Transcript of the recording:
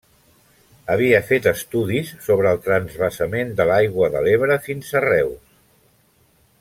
Havia fet estudis sobre el transvasament de l'aigua de l'Ebre fins a Reus.